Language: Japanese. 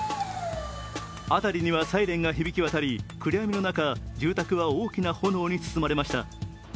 辺りにはサイレンが響き渡り暗闇の中住宅は大きな炎に包まれました。